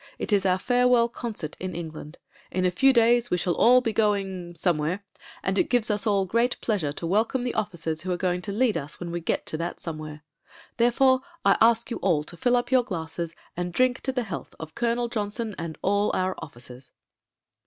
It is our farewell concert in England: in a few days we shall all be going — somewhere ; and it gives us all great pleasure to welcome the officers who are going to lead us when we get to that some where. Therefore I ask you all to fill up your glasses and drink to the health of Colonel Johnson and all our officers."